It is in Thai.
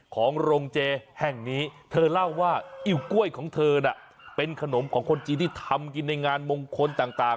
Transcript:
ของโรงเจแห่งนี้เธอเล่าว่าอิ่วกล้วยของเธอน่ะเป็นขนมของคนจีนที่ทำกินในงานมงคลต่าง